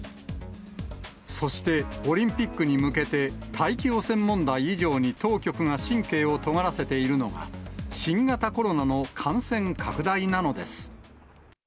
そしてオリンピックに向けて、大気汚染問題以上に当局が神経をとがらせているのが、新型コロナの感染拡大なのです。